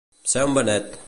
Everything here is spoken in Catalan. Ser un Benet.